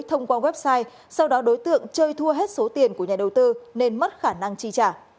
thông qua website sau đó đối tượng chơi thua hết số tiền của nhà đầu tư nên mất khả năng chi trả